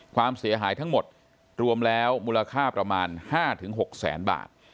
ความเสียหายทั้งหมดรวมแล้วมูลค่าประมาณ๕๖แสนบาท